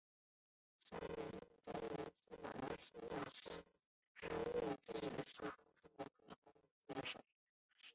砂拉越州元首是马来西亚砂拉越州仪式上的州最高元首。